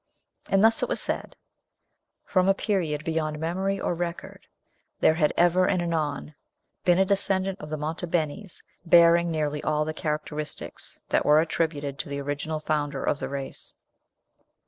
And thus, it was said, from a period beyond memory or record, there had ever and anon been a descendant of the Monte Benis bearing nearly all the characteristics that were attributed to the original founder of the race.